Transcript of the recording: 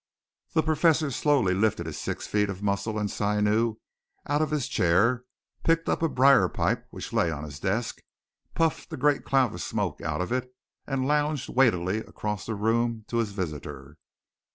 The Professor slowly lifted his six feet of muscle and sinew out of his chair, picked up a briar pipe which lay on his desk, puffed a great cloud of smoke out of it, and lounged weightily across the room to his visitor.